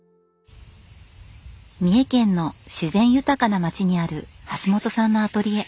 三重県の自然豊かな町にあるはしもとさんのアトリエ。